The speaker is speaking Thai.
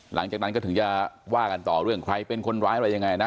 หลังจากนั้นก็ถึงจะว่ากันต่อเรื่องใครเป็นคนร้ายอะไรยังไงนะ